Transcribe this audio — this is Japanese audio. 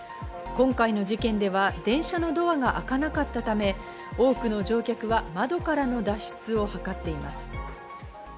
今回の事件では電車のドアが開かなかったため、多くの乗客は窓からの脱出をはかっています。